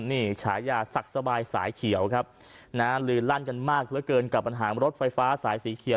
นี่ฉายาศักดิ์สบายสายเขียวครับนะฮะลือลั่นกันมากเหลือเกินกับปัญหารถไฟฟ้าสายสีเขียว